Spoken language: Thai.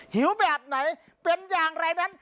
หิวแบบไหนเป็นอย่างไรนั้น